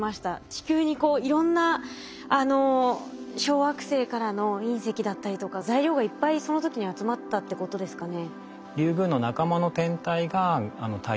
地球にいろんな小惑星からの隕石だったりとか材料がいっぱいその時に集まったってことですかね？